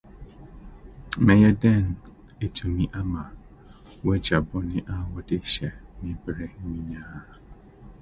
Mɛyɛ Dɛn Atumi Ama Wɔagyae Bɔne a Wɔde Hyɛ Me Bere Nyinaa?